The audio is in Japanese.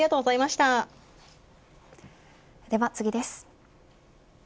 では次です。